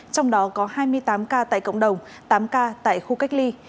trong đó có hai mươi tám ca tại cộng đồng tám ca tại khu cách ly